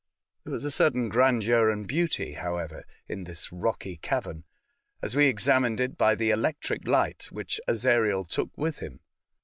These was a certain grandeur and beauty, how ever, in this rocky cavern, as we examined it by the electric light, which Ezariel took with him.